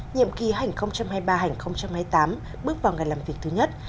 nhiệm kỳ hành hai mươi ba hai mươi tám bước vào ngày làm việc thứ nhất